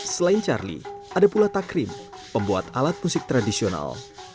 selain charlie ada pula takrim pembuat alat musik tradisional